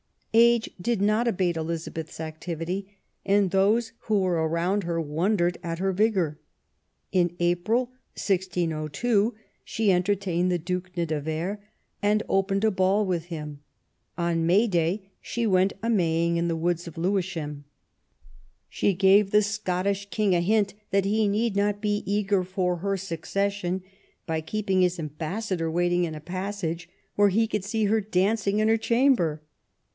Age did not abate Elizabeth's activity, and those who were around her wondered at her vigour. In April, 1602, she entertained the Due de Nevers and opened a ball with him. On May Day she went a maying in the #oods of Lewisham. She gave the Scottish King a hint that he need not be eager for her succession, by keeping his ambassador waiting in a passage where he could see her dancing in her chamber.